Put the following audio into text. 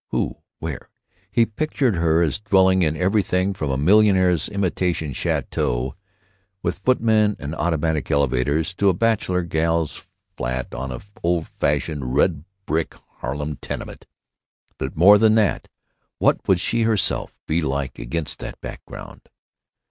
Who? Where? He pictured her as dwelling in everything from a millionaire's imitation château, with footmen and automatic elevators, to a bachelor girl's flat in an old fashioned red brick Harlem tenement. But more than that: What would she herself be like against that background?